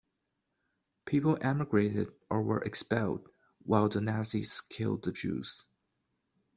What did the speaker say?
People emigrated or were expelled, while the Nazis killed the Jews.